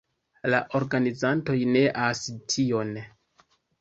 La organizantoj neas tion.